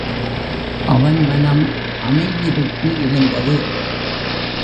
அவன் மனம் அமைதி பெற்று இருந்தது.